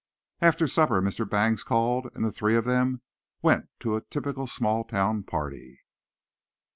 After supper Mr. Bangs called, and the three of them went to a typical small town party.